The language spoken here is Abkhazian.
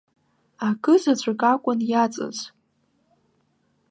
Акы заҵәык акәын иаҵаз.